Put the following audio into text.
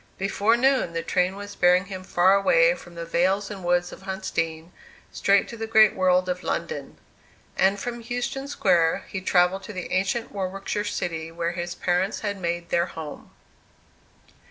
Before noon the train was bearing him far away from the vales and woods of Huntsdean, straight to the great world of London. And from Euston Square he travelled to the ancient Warwickshire city where his parents had made their home.